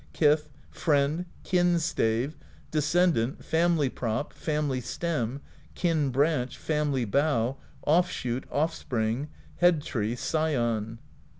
236 PROSE EDDA Kith, Friend, Kin Stave, Descendant, Family Prop, Fam ily Stem, Kin Branch, Family Bough, Offshoot, Offspring, Head Tree, Scion.